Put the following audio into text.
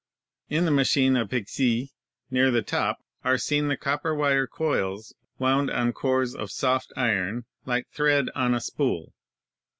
"In the machine of Pixii, near the top, are seen the cop per wire coils wound on cores of soft iron, like thread on a spool.